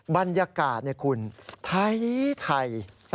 บรรยากาศคุณไทย